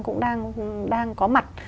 cũng đang có mặt